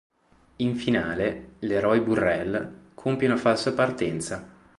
In finale, Leroy Burrell compie una falsa partenza.